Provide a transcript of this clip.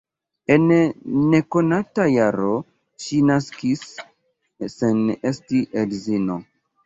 En nekonata jaro ŝi naskis sen esti edzino.